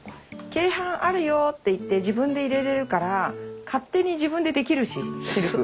「鶏飯あるよ」って言って自分で入れられるから勝手に自分でできるしセルフ。